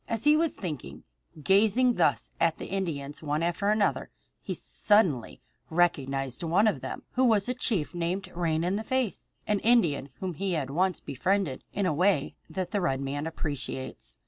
As he was thinking, gazing thus at the Indians one after another, he suddenly recognized one of them who was a chief named Rain in the Face, an Indian whom he had once befriended in a way that the red man appreciates.